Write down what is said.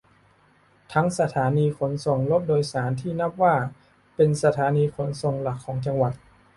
ทั้งสถานีขนส่งรถโดยสารที่นับว่าเป็นสถานีขนส่งหลักของจังหวัด